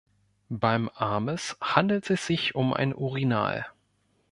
Beim Amis handelt es sich um ein Urinal.